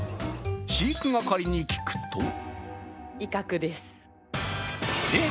飼育係に聞くとえ？